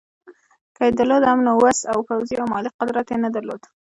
که یې درلود هم نو وس او پوځي او مالي قدرت یې نه درلود.